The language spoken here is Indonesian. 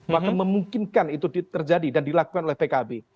maka memungkinkan itu terjadi dan dilakukan oleh pkb